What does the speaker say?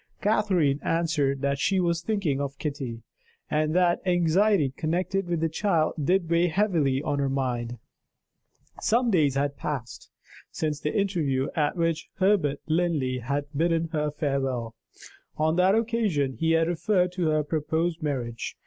Catherine answered that she was thinking of Kitty, and that anxiety connected with the child did weigh heavily on her mind. Some days had passed (she reminded Mrs. Presty) since the interview at which Herbert Linley had bidden her farewell. On that occasion he had referred to her proposed marriage (never to be a marriage now!)